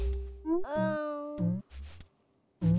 うん。